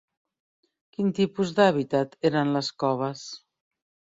Quin tipus d'habitat eren les coves?